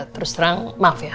terus terang maaf ya